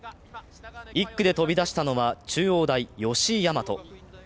１区で飛び出したのは、中央大・吉居大和。